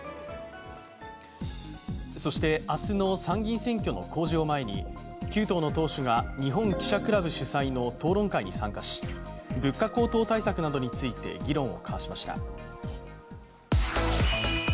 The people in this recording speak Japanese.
そして明日の参議院選挙の公示を前に、９党の党首が日本記者クラブ主催の討論会に参加し物価高騰対策などについて、議論を交わしました。